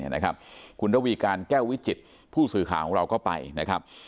นะครับคุณละวีกานแก้ววิจิตย์ผู้สื่อขาของเราก็ไปนะ